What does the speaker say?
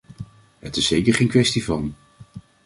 Het is zeker geen kwestie van “”.